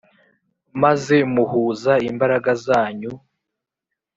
maze muhuza imbaraga zanyu.